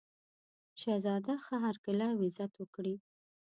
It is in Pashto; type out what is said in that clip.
شهزاده ښه هرکلی او عزت وکړي.